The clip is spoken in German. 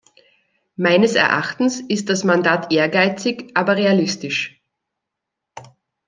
Meines Erachtens ist das Mandat ehrgeizig, aber realistisch.